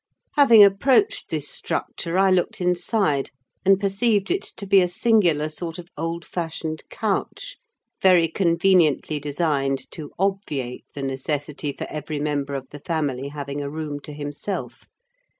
Having approached this structure, I looked inside, and perceived it to be a singular sort of old fashioned couch, very conveniently designed to obviate the necessity for every member of the family having a room to himself.